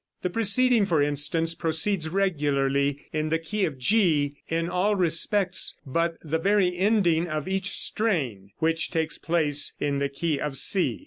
The preceding, for instance, proceeds regularly in the key of G in all respects but the very ending of each strain, which takes place in the key of C.